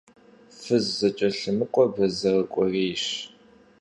Фыз зэкӀэлъымыкӀуэ бэзэр кӀуэрейщ.